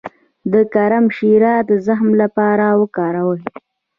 د کرم شیره د زخم لپاره وکاروئ